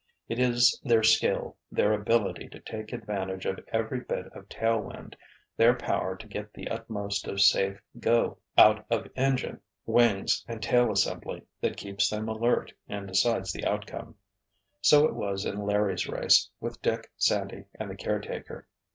It is their skill, their ability to take advantage of every bit of tailwind, their power to get the utmost of safe "go" out of engine, wings and tail assembly, that keeps them alert and decides the outcome. So it was in Larry's race, with Dick, Sandy and the caretaker.